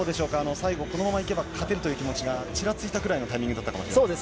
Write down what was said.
最後、このまま勝てるという気持ちがちらついたくらいのタイミングだっそうですね。